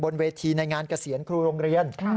เวทีในงานเกษียณครูโรงเรียน